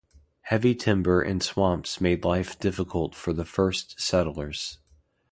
Heavy timber and swamps made life difficult for the first settlers.